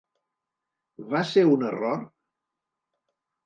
Va ser un error?.